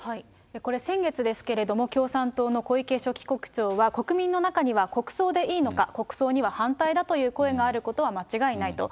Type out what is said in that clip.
これ、先月ですけれども、共産党の小池書記局長は、国民の中には国葬でいいのか、国葬には反対だという声があることは間違いないと。